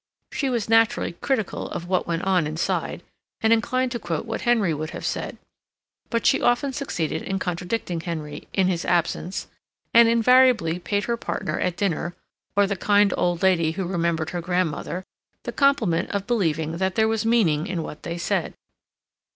She was naturally critical of what went on inside, and inclined to quote what Henry would have said; but she often succeeded in contradicting Henry, in his absence, and invariably paid her partner at dinner, or the kind old lady who remembered her grandmother, the compliment of believing that there was meaning in what they said.